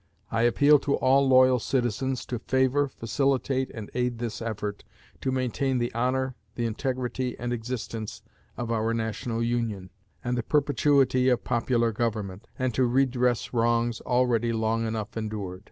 I appeal to all loyal citizens to favor, facilitate, and aid this effort to maintain the honor, the integrity and existence of our National Union, and the perpetuity of popular government, and to redress wrongs already long enough endured.